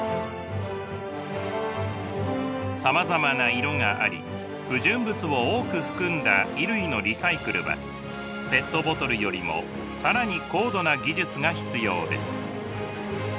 さまざまな色があり不純物を多く含んだ衣類のリサイクルはペットボトルよりも更に高度な技術が必要です。